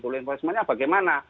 low enforcementnya bagaimana